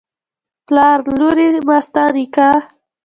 پلار: لورې ماستا نکاح